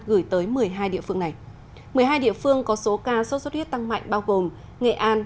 gửi tới một mươi hai địa phương này một mươi hai địa phương có số ca sốt xuất huyết tăng mạnh bao gồm nghệ an